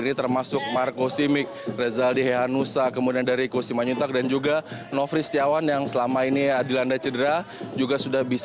ini termasuk marco simic rezaldi heianusa kemudian dari kusima nyuntag dan juga nofri setiawan yang selama ini dilanda cedera